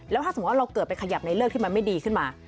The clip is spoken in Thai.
แล้วถ้าสมมุติว่าเราเกิดไปขยับในเลิกที่มันไม่ดีขึ้นมา